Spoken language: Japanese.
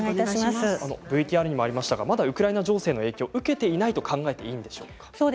ＶＴＲにもありましたがまだウクライナ情勢の影響を受けていないと考えていいでしょうか。